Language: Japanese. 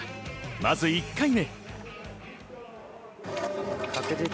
まず１回目。